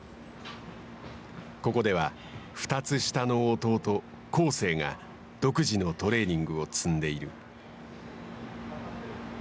ここでは、２つ下の弟恒成が独自のトレーニングを積んでいる。